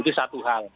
itu satu hal